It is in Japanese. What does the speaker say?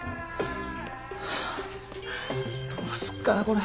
どうすっかなこれ。